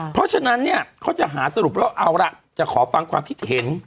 เพราะฉะนั้นเนี่ยเขาจะหาสรุปแล้วเอาล่ะจะขอฟังความคิดเห็น